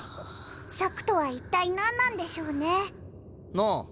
策とは一体何なんでしょうね。なぁ。